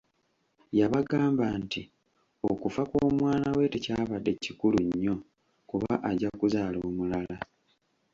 Yabagamba nti okufa kw'omwana we tekyabadde kikulu nnyo kuba ajja kuzaala omulala.